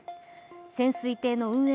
潜水艇の運営